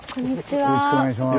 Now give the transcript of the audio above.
よろしくお願いします。